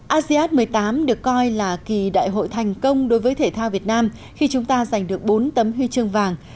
asean một mươi tám được coi là kỳ đại hội thành công đối với thể thao việt nam khi chúng ta giành được bốn tấm huy chương vàng